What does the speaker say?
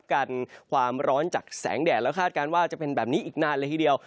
กันความร้อนจากแสงแดดแล้วคาดการณ์ว่าจะเป็นแบบนี้อีกนานเลยทีเดียว